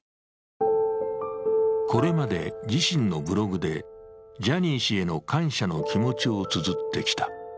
これまで自身のブログでジャニー氏への感謝の気持ちをつづってきた。